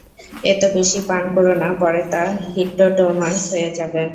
এত বেশি পান করো না পরে তো হিটটোটোমাস হয়ে যাবেন।